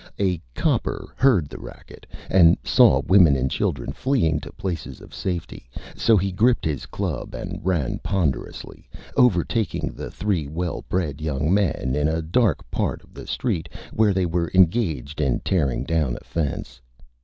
A Copper heard the Racket, and saw Women and Children fleeing to Places of Safety, so he gripped his Club and ran Ponderously, overtaking the three Well Bred Young Men in a dark part of the Street, where they were Engaged in tearing down a Fence.